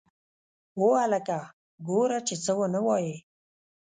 وه هلکه گوره چې څه ونه وايې.